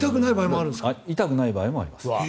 痛くない場合もあります。